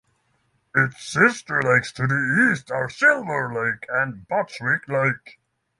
Its sister lakes to the east are Silver Lake and Bostwick Lake.